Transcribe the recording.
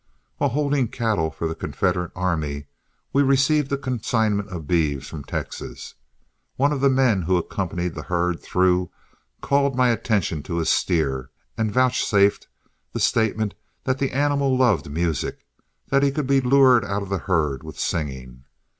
While holding cattle for the Confederate army we received a consignment of beeves from Texas. One of the men who accompanied the herd through called my attention to a steer and vouchsafed the statement that the animal loved music, that he could be lured out of the herd with singing.